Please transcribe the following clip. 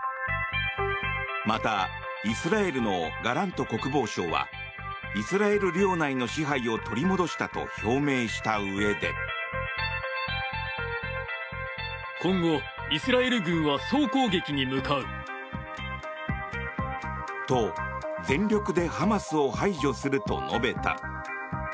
また、イスラエルのガラント国防相はイスラエル領内の支配を取り戻したと表明したうえで。と、全力でハマスを排除すると述べた。